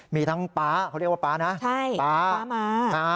มีทั้งป๊าเขาเรียกว่าป๊านะใช่ป๊าป๊ามา